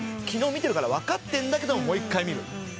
昨日見てるから分かってんだけどもう１回見る。